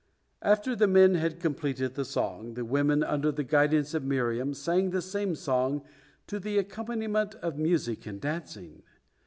After the men had completed the song, the women under the guidance of Miriam sang the same song to the accompaniment of music and dancing.